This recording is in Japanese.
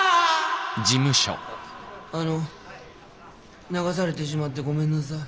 あの流されてしまってごめんなさい。